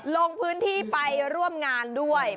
ลงพื้นที่ไปร่วมงานด้วย